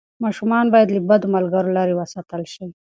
ماشومان باید له بدو ملګرو لرې وساتل شي.